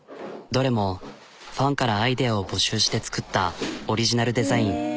どれもファンからアイデアを募集して作ったオリジナルデザイン。